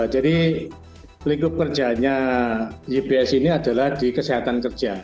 jadi pelikup kerjanya yps ini adalah di kesehatan kerja